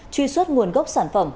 truy xuất nguồn gốc sản phẩm